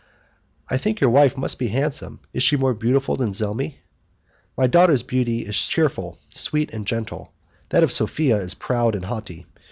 "I think your wife must be handsome; is she more beautiful than Zelmi?" "My daughter's beauty is cheerful, sweet, and gentle; that of Sophia is proud and haughty.